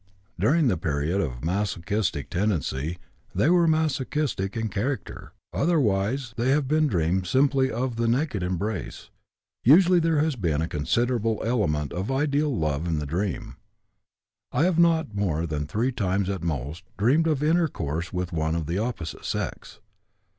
During the period of masochistic tendency, they were masochistic in character; otherwise they have been dreams simply of the naked embrace. Usually there has been a considerable element of ideal love in the dream. I have not more than three times at most dreamed of intercourse with one of the opposite sex.